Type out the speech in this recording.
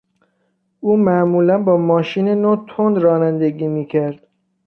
او معمولا با ماشین نو تند رانندگی میکرد.